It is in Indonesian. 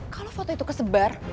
kalo foto itu kesebar